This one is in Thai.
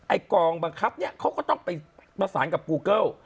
กองบังคับเนี่ยเขาก็ต้องไปประสานกับกูเกิล